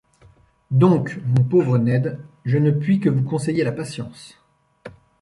Donc, mon pauvre Ned, je ne puis que vous conseiller la patience.